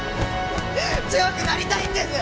強くなりたいんです！